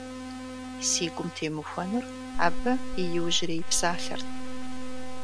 Си гум темыхуэнур абы и иужьрей псалъэрт.